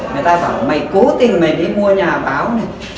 người ta bảo mày cố tình mày đi mua nhà báo này